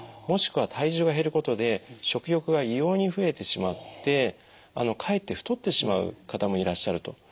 もしくは体重が減ることで食欲が異様に増えてしまってかえって太ってしまう方もいらっしゃると。